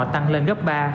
tăng lên gấp ba